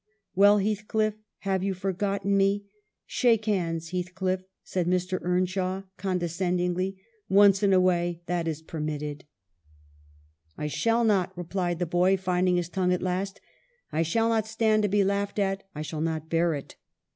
"'Well, Heathcliff, have you forgotten me? Shake hands, Heathcliff,' said Mr. Earnshaw, condescendingly, 'once in a way, that is per mitted.' ' WUTHERING HEIGHTS. 243 "'I shall not,' replied the boy, finding his tongue at last. ' I shall not stand to be laughed at. I shall not bear it.'"